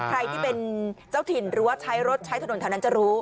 ใครที่เป็นเจ้าถิ่นหรือว่าใช้รถใช้ถนนแถวนั้นจะรู้